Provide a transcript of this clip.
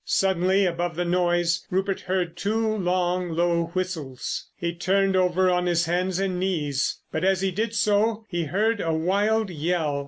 Suddenly above the noise Rupert heard two long, low whistles. He turned over on his hands and knees. But, as he did so, he heard a wild yell.